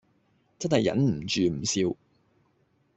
真係忍唔住唔笑